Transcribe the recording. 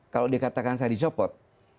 kalau dikatakan saya dicopot